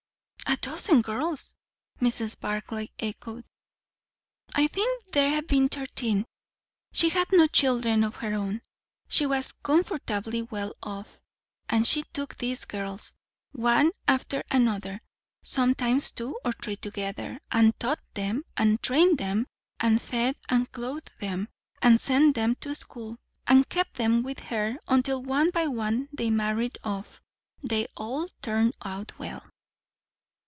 "A dozen girls!" Mrs. Barclay echoed. "I think there have been thirteen. She had no children of her own; she was comfortably well off; and she took these girls, one after another, sometimes two or three together; and taught them and trained them, and fed and clothed them, and sent them to school; and kept them with her until one by one they married off. They all turned out well."